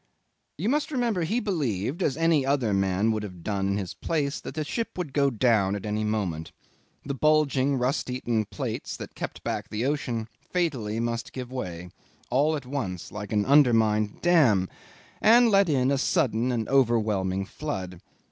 'You must remember he believed, as any other man would have done in his place, that the ship would go down at any moment; the bulging, rust eaten plates that kept back the ocean, fatally must give way, all at once like an undermined dam, and let in a sudden and overwhelming flood.